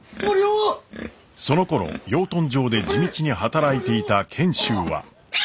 そのころ養豚場で地道に働いていた賢秀は。